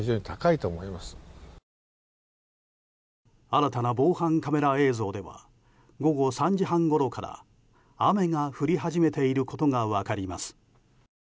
新たな防犯カメラ映像では午後３時半ごろから雨が降り始めていることが分かります。